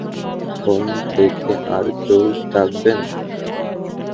Phone থেকে আর কেউ ডাকবেন?